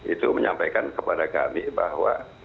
itu menyampaikan kepada kami bahwa